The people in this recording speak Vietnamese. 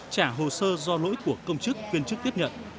trả hồ sơ do lỗi của công chức viên chức tiếp nhận